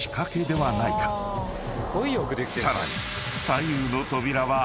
［さらに］